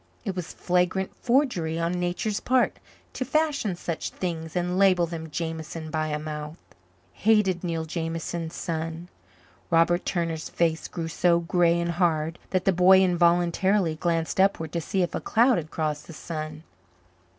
It was flagrant forgery on Nature's part to fashion such things and label them Jameson by a mouth. Hated Neil Jameson's son! Robert Turner's face grew so grey and hard that the boy involuntarily glanced upward to see if a cloud had crossed the sun.